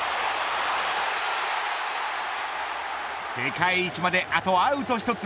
世界一まであとアウト１つ。